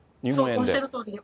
おっしゃるとおりです。